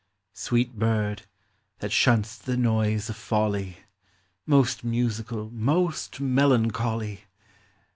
Sweet bird, that shun'st the noise of folly, —• Most musical, most melancholy